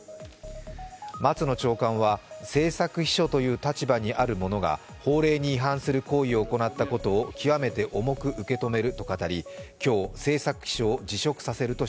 松野長官は政策秘書という立場にある者が法令に違反する行為を行ったことを極めて重く受け止めると話し